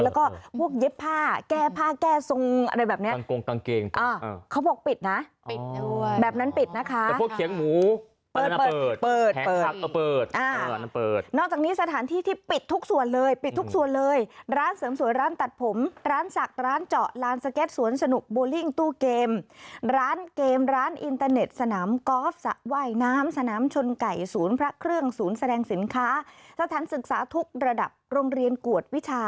แล้วก็พวกเย็บผ้าแก้ผ้าแก้ทรงอะไรแบบนี้